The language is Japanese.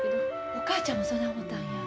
お母ちゃんもそない思たんや。